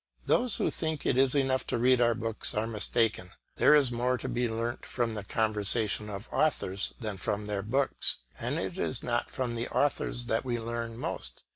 Those who think it is enough to read our books are mistaken; there is more to be learnt from the conversation of authors than from their books; and it is not from the authors that we learn most.